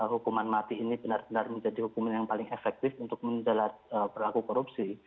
hukuman mati ini benar benar menjadi hukuman yang paling efektif untuk menjelat berlaku korupsi